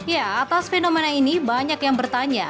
ya atas fenomena ini banyak yang bertanya